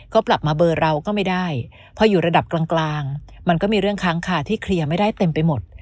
ก็กลับมาเบอร์เราก็ไม่ได้พออยู่ระดับกลางมันก็มีเรื่องค้างคาที่เคลียร์ไม่ได้เต็มไปหมด